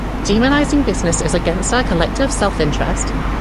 Demonizing business is against our collective self-interest.